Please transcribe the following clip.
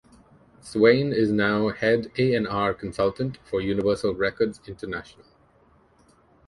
Swain is now head A and R Consultant for Universal Records International.